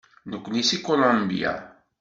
Nekkni seg Colombia.